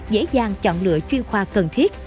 dễ dàng chọn lựa chuyên khoa cần thiết